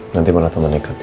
nanti mau datang menikah tia